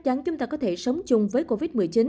trên toàn thế giới